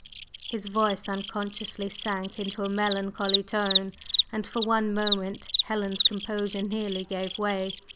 His voice unconsciously sank into a melancholy tone, and for one moment Helen's composure nearly gave way.